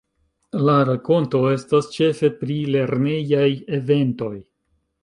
La rakonto estas ĉefe pri lernejaj eventoj.